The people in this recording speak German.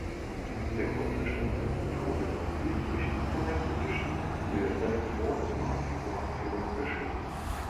Der Grundzustand eines Atoms ist durch die energetisch niedrigste Elektronenkonfiguration bestimmt.